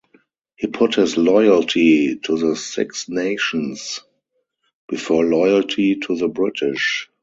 He put his loyalty to the Six Nations before loyalty to the British.